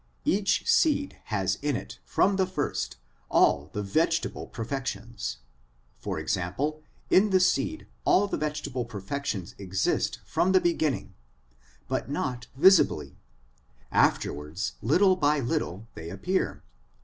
Each seed has in it from the first all the vegetable per fections. For example, in the seed all the vegetable perfections exist from the beginning, but not visibly ; afterwards little by little they appear.